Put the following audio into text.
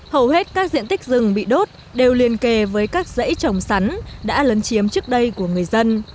hầu hết các diện tích rừng bị đốt đều liên kề với các dãy trồng sắn đã lấn chiếm trước đây của người dân